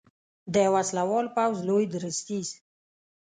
د وسلوال پوځ لوی درستیز